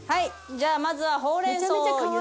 じゃあまずはほうれん草を茹でます。